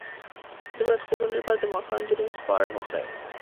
د بد خوبونو لپاره د ماښام دروند خواړه مه خورئ